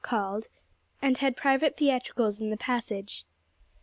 called, and had private theatricals in the passage.